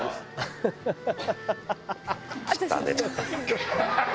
ハハハハ！